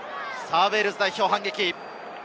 ウェールズ代表、反撃。